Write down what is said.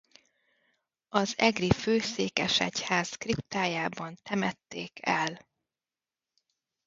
Az Egri főszékesegyház kriptájában temették el.